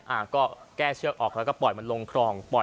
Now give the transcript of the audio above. และแก้เชือกออกแล้วก็ไขมันลงครอง